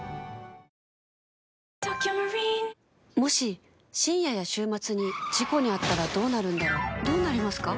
もし深夜や週末に事故に遭ったらどうなるんだろうどうなりますか？